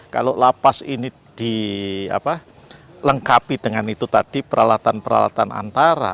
kalau lapas ini dilengkapi dengan itu tadi peralatan peralatan antara